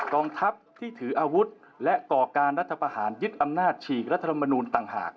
กองทัพที่ถืออาวุธและก่อการรัฐประหารยึดอำนาจฉีกรัฐธรรมนูลต่างหาก